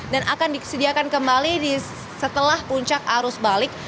dan akan disediakan kembali setelah puncak arus balik